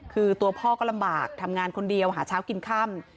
คือตัวพ่อก็ลำบากทำงานคนเดียวหาเช้ากินค่ำ